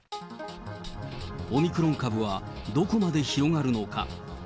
オミクロン株はどこまで広がるのか。